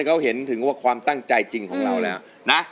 เขาเห็นถึงว่าความตั้งใจจริงของเราแล้วนะ